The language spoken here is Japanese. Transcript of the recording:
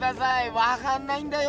わかんないんだよ